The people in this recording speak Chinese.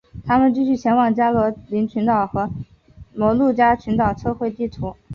他们继续前往加罗林群岛和摩鹿加群岛测绘地图。